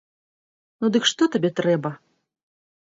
Ну, дык што табе трэба?